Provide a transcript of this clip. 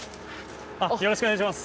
よろしくお願いします。